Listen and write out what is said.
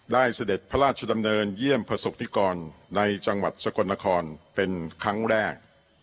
เสด็จพระราชดำเนินเยี่ยมประสบนิกรในจังหวัดสกลนครเป็นครั้งแรก